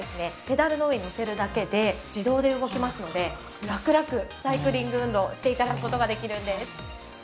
ペダルの上にのせるだけで自動で動きますのでラクラクサイクリング運動をして頂く事ができるんです。